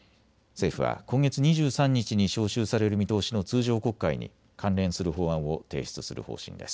政府は今月２３日に召集される見通しの通常国会に関連する法案を提出する方針です。